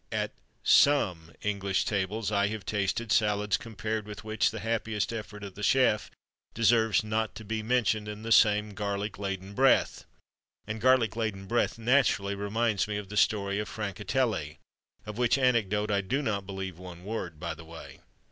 At some English tables I have tasted salads compared with which the happiest effort of the chef deserves not to be mentioned in the same garlic laden breath. And "garlic laden breath" naturally reminds me of the story of Francatelli of which anecdote I do not believe one word, by the way.